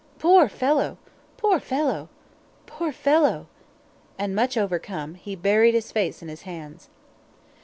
Poor fellow! poor fellow! poor fellow!" and much overcome, he buried his face in his hands.